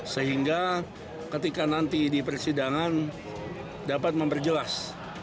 sehingga ketika nanti di persidangan dapat memperjelas